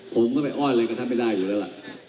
ผมก็ไปอ้อนอะไรกับท่านไม่ได้อยู่แล้วล่ะ